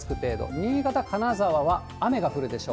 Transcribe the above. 新潟、金沢は雨が降るでしょう。